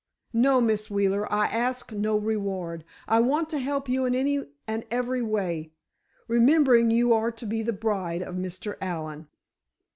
No, Miss Wheeler, I ask no reward, I want to help you in any and every way—remembering you are to be the bride of Mr. Allen."